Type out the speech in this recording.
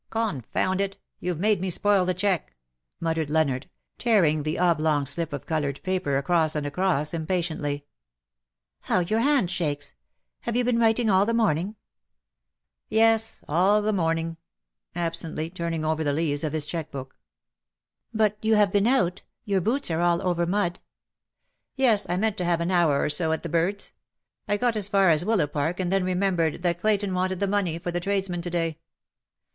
Confound it, you've made me spoil the cheque !" muttered Leonard, tearing the oblong slip of coloured paper across and across, impatiently. " How your hand shakes ! Have you been writing all the morning ?"" Yes — all the morning," absently, turning over the leaves of bis cheque book. 10 '^ WITH SUCH REMORSELESS SPEED "But you have been out — your boots are all over mud/' " Yes, I meant to have an hour or so at the birds. I got as far as Willapark, and then remembered that Clayton wanted the money for the tradesmen to day.